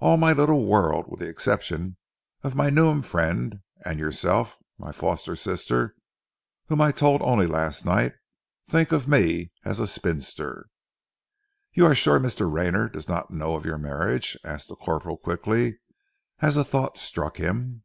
All my little world with the exception of my Newnham friend and yourself, my foster sister, whom I told only last night, thinks of me as a spinster." "You are sure Mr. Rayner does not know of your marriage?" asked the corporal quickly, as a thought struck him.